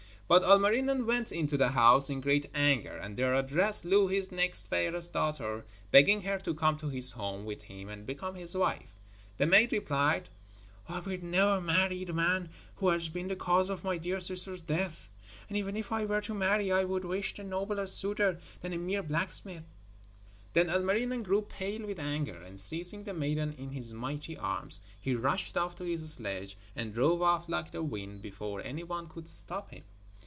But Ilmarinen went into the house in great anger and there addressed Louhi's next fairest daughter, begging her to come to his home with him and become his wife. The maid replied: 'I will never marry the man who has been the cause of my dear sister's death. And even if I were to marry I would wish a nobler suitor than a mere blacksmith.' Then Ilmarinen grew pale with anger, and seizing the maiden in his mighty arms he rushed off to his sledge and drove off like the wind before any one could stop him.